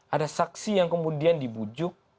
ada saksi yang kemudian dibujuk